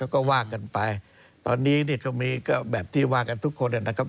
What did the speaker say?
ก็ว่ากันไปตอนนี้เนี่ยก็มีก็แบบที่ว่ากันทุกคนนะครับ